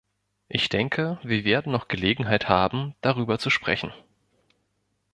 Ich denke, wir werden noch Gelegenheit haben, darüber zu sprechen.